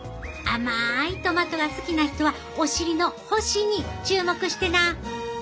甘いトマトが好きな人はお尻の星に注目してな！